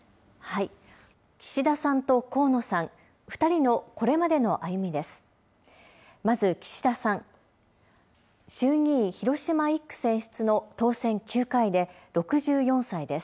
岸田さんと河野さん、２人のこれまでの歩みです。